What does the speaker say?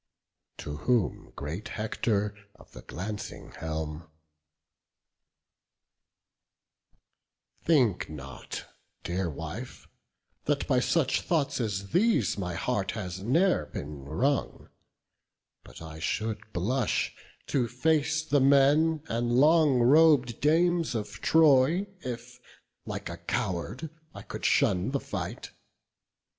To whom great Hector of the glancing helm; "Think not, dear wife, that by such thoughts as these My heart has ne'er been wrung; but I should blush To face the men and long rob'd dames of Troy, If, like a coward, I could shun the fight.